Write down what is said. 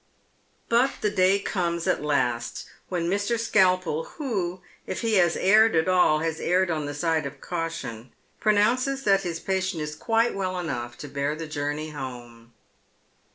But the day comes at last when Mr. Skalpel, who, if he has ened at all, has en ed on the side of caution, pronounces that his pi Licnt is quite well enough to bear the journey home.